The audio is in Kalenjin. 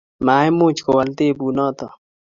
Maimuch kowal tebut noto